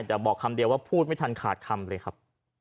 แต่บอกคำเดียวว่าพูดไม่ทันขาดคำเลยครับ